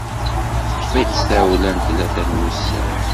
Teṭṭef-itt tawla n tlata n wussan.